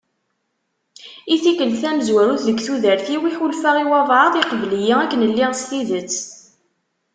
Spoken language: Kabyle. I tikkelt tamenzut deg tudert-iw i ḥulfaɣ i wabɛaḍ yeqbel-iyi akken lliɣ s tidet.